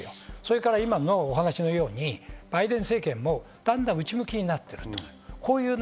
それから今のお話のようにバイデン政権もだんだん内向きになってる。